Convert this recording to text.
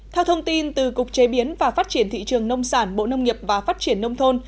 theo thông tin từ cục chế biến và phát triển thị trường nông sản bộ nông nghiệp và phát triển nông thôn